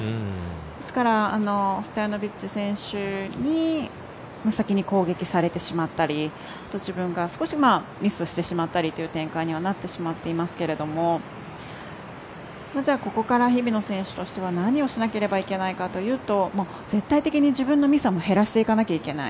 ですから、ストヤノビッチ選手に先に攻撃されてしまったり自分が少しミスをしてしまったりという展開にはなってしまっていますがじゃあ、ここから日比野選手としては何をしなければいけないかというと絶対的に自分のミスは減らしていかないといけない。